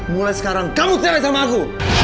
mulai sekarang kamu tele sama aku